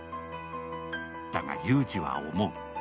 だが、祐治は思う。